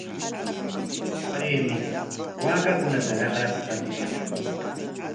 Waraymi waakakunata raqrapa qatishaq.